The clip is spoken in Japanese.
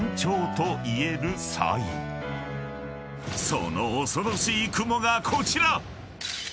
［その恐ろしい雲がこちら！］